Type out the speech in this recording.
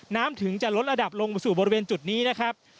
ถึงจะลดระดับลงมาสู่บริเวณจุดนี้นะครับ